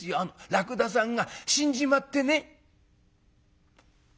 らくださんが死んじまってね」。